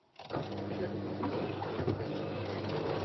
বিশ্বের এক চতুর্থাংশ জনগণ ও এক-ত্রৃতীয়াংশ ভূখণ্ড এ সাম্রাজ্যের অধীনস্থ ছিল।